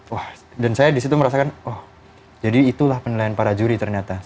wah dan saya disitu merasakan oh jadi itulah penilaian para juri ternyata